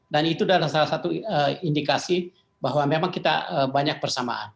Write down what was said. dan itu adalah salah satu indikasi bahwa memang kita banyak persamaan